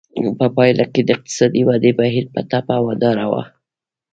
په پایله کې د اقتصادي ودې بهیر په ټپه ودراوه.